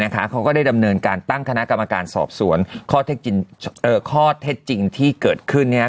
เขาก็ได้ดำเนินการตั้งคณะกรรมการสอบสวนข้อเท็จจริงที่เกิดขึ้น